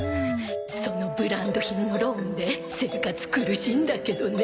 そのブランド品のローンで生活苦しいんだけどね